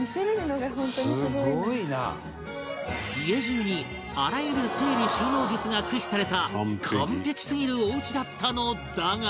家中にあらゆる整理収納術が駆使された完璧すぎるおうちだったのだが